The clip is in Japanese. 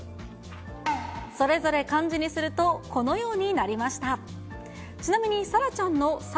それぞれ漢字にすると、このようになりました。